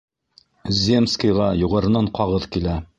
Земскийға юғарынан ҡағыҙ килә.